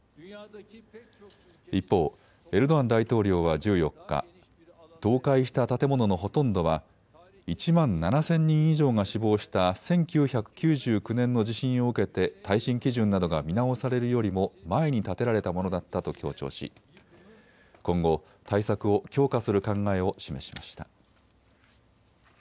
一方、エルドアン大統領は１４日、倒壊した建物のほとんどは１万７０００人以上が死亡した１９９９年の地震を受けて耐震基準などが見直されるよりも前に建てられたものだったと強調し今後、対策を強化する考えを示しました。